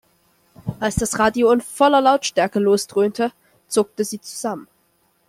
Als das Radio in voller Lautstärke losdröhnte, zuckte sie zusammen.